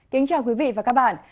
kính chào quý vị và các bạn